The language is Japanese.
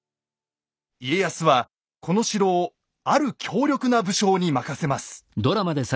家康はこの城をある強力な武将に任せます。